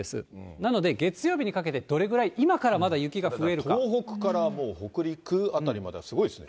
なので月曜日にかけてどれぐらい、東北からもう北陸辺りまではすごいですね。